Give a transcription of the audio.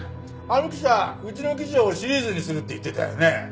あの記者うちの記事をシリーズにするって言ってたよね。